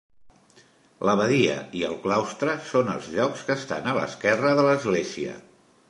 L'abadia i el claustre són els llocs que estan a l'esquerra de l'església.